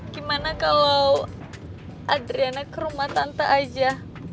gimana kalau adriana ke rumah tante aja